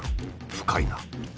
深いな。